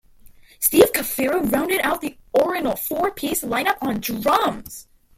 Steve Cafiero rounded out the orinal four-piece lineup on drums.